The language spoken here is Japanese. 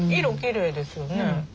色きれいですよね。